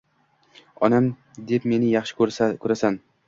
Onam deb kimni yaxshi ko'rasan?